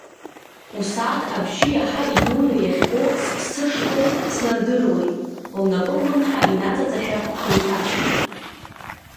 Усааҭ абжьы иаҳа идуны иахьго сԥсы шҭоу снардыруеит, лнапы ллымҳа инаҵаҵашәа, деиҭацәеит.